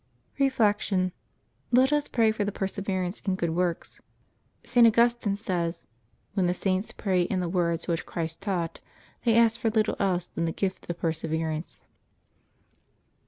Reflection. — Let us pray for perseverance in good works. St. Augustine says, "When the Saints pray in the words which Christ taught, they ask for little else than the gift of perseverance."